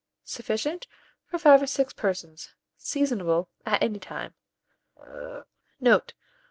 Sufficient for 5 or 6 persons. Seasonable at any time. Note.